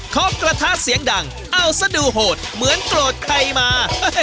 เขากระทะเสียงดังเอาซะดูโหดเหมือนโกรธใครมา